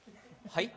はい？